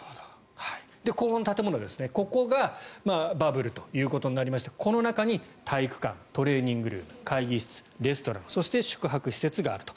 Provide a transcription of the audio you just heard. この建物、ここがバブルということになりましてこの中に体育館トレーニングルーム会議室、レストランそして、宿泊施設があると。